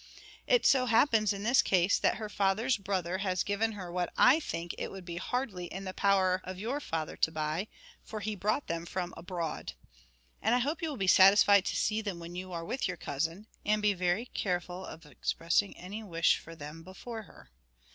It so happens in this case that her father's brother has given her what I think it would be hardly in the power of your father to buy, for he brought them from abroad. And I hope you will be satisfied to see them when you are with your cousin, and be very careful of expressing any wish for them before her.